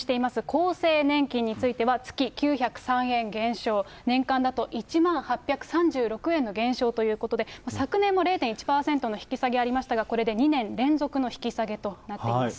厚生年金については、月９０３円減少、年間だと、１万８３６円の減少ということで、昨年も０．１％の引き下げありましたが、これで２年連続の引き上げとなっています。